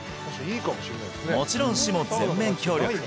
もちろん市も全面協力